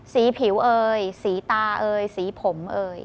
สีผิวสีตาสีผด